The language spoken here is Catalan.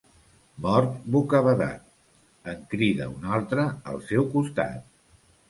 Mort bocabadat, en crida un altre al seu costat.